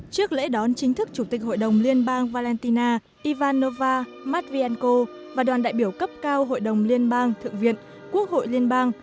trước lễ đón chính thức chủ tịch hội đồng liên bang valentina ivanova mát viên cô và đoàn đại biểu cấp cao hội đồng liên bang thượng viện quốc hội liên bang